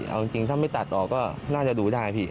เอาจริงถ้าไม่ตัดออกก็น่าจะดูได้พี่